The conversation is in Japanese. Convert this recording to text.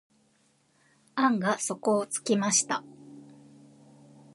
案が底をつきました。